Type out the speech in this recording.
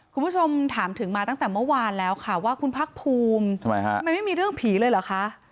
คุณผู้ชมถามถึงมาตั้งแต่เมื่อวานแล้วค่ะว่าคุณภาคภูมิทำไมฮะมันไม่มีเรื่องผีเลยเหรอคะ